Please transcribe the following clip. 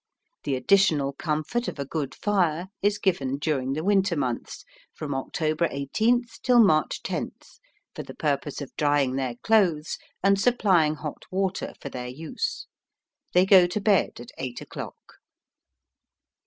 The additional comfort of a good fire is given during the winter months, from October 18th till March 10th, for the purpose of drying their clothes and supplying hot water for their use. They go to bed at eight o'clock."